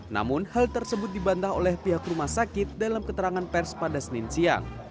namun hal tersebut dibantah oleh pihak rumah sakit dalam keterangan pers pada senin siang